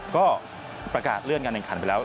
ก็ประกาศเลื่อนการแข่งขันไปแล้ว